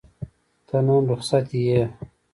ته نن رخصت یې؟